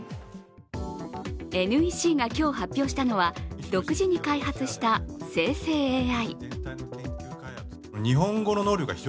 ＮＥＣが今日発表したのは独自に開発した生成ＡＩ。